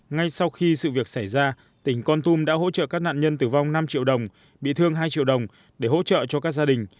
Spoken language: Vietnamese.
ngay sau khi sự việc xảy ra tỉnh con tum đã hỗ trợ các nạn nhân tử vong năm triệu đồng bị thương hai triệu đồng để hỗ trợ cho các gia đình